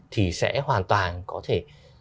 thì sẽ hoàn toàn có thể